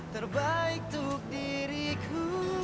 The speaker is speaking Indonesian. terbaik untuk diriku